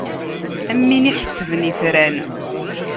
Am win iḥettben itran.